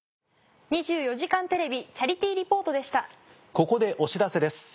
ここでお知らせです。